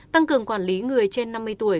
tăng cường quản lý người trên năm mươi tuổi